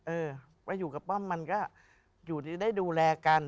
เออไปอยู่กับป้อมมันก็อยู่ดีได้ดูแลกัน